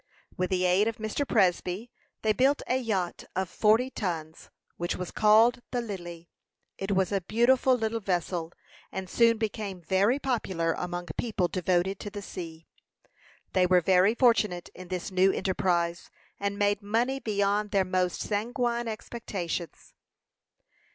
With the aid of Mr. Presby, they built a yacht of forty tons, which was called the "Lily." It was a beautiful little vessel, and soon became very popular among people devoted to the sea. They were very fortunate in this new enterprise, and made money beyond their most sanguine expectations.